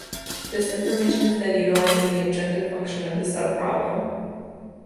This information is then utilized in the objective function of the subproblem.